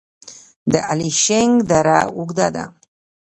د الیشنګ دره اوږده ده